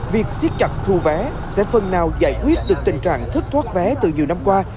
việc siết chặt thu vé sẽ phần nào giải quyết được tình trạng thất thoát vé từ nhiều năm qua